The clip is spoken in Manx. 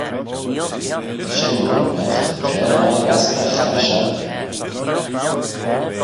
Ta shen ayn, agh ta traa mie rastagh harrish ain.